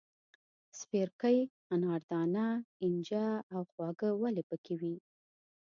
سپیرکۍ، اناردانه، اینجه او خواږه ولي پکې وې.